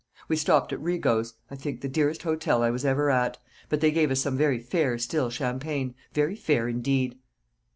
We stopped at Rigot's I think the dearest hotel I was ever at; but they gave us some very fair still champagne very fair indeed."